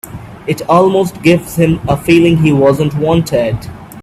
It almost gives him a feeling he wasn't wanted.